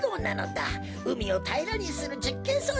うみをたいらにするじっけんそうちだったのだ。